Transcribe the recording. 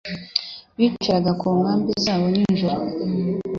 Bicaraga ku nkambi zabo nijoro